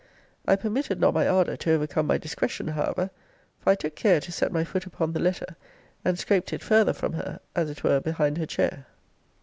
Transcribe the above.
I permitted not my ardour to overcome my discretion, however; for I took care to set my foot upon the letter, and scraped it farther from her, as it were behind her chair.